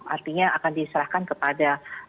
artinya akan diserahkan kepada